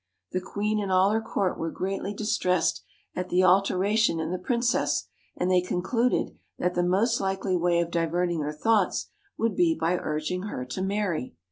The queen and all her court were greatly distressed at the alteration in the princess, and they concluded that the most likely way of diverting her thoughts would be by urging her to marry.